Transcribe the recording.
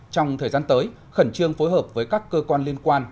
trong thời gian tới khẩn trương phối hợp với các cơ quan liên quan